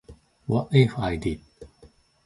What if I did?